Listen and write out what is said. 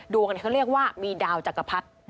ดวงเขาเรียกว่ามีดาวจักรพรรดิ